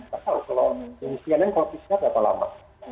pasal kalau di indonesia dengan covid sembilan belas berapa lama